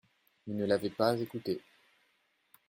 Ils ne l’avaient pas écoutée.